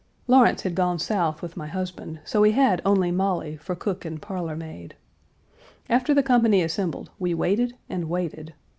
Lawrence had gone South with my husband; so we had only Molly for cook and parlor maid. After the company assembled we waited and waited.